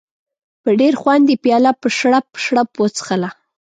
په ډېر خوند یې پیاله په شړپ شړپ وڅښله.